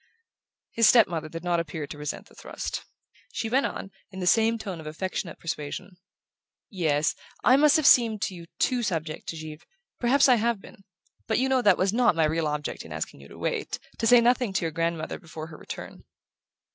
His step mother did not appear to resent the thrust. She went on, in the same tone of affectionate persuasion: "Yes: I must have seemed to you too subject to Givre. Perhaps I have been. But you know that was not my real object in asking you to wait, to say nothing to your grandmother before her return."